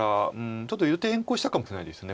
ちょっと予定変更したかもしれないですこれ。